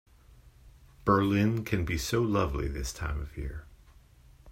Berlin can be so lovely this time of year.